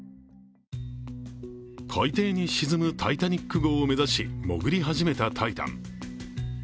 海底に沈む「タイタニック」号を目指し、潜り始めた「タイタン」。